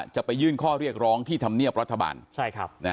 จะไปยื่นข้อเรียกร้องที่ธรรมเนียบรัฐบาล